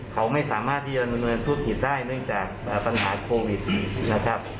เขาไม่สามารถที่จะดำเนินธุรกิจได้เนื่องจากปัญหาโควิดนะครับ